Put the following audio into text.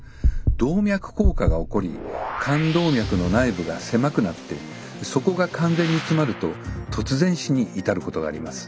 動脈硬化が起こり冠動脈の内部が狭くなってそこが完全に詰まると突然死に至ることがあります。